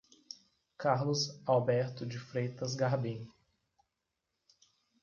Carlos Alberto de Freitas Garbim